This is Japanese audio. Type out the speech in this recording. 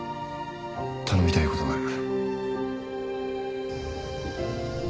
頼みたいことがある。